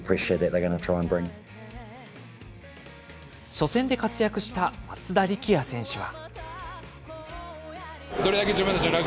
初戦で活躍した松田力也選手は。